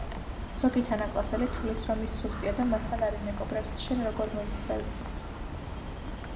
ზოგი თანაკლასელი თვლის რომ ის სუსტია და მასთან არ იმეგობრებს შენ როგორ მოიქცევი